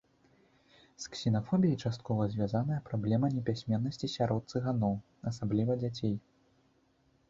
З ксенафобіяй часткова звязаная праблема непісьменнасці сярод цыганоў, асабліва дзяцей.